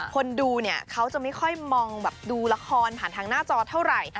คนดูเนี่ยเขาจะไม่ค่อยมองแบบดูละครผ่านทางหน้าจอเท่าไหร่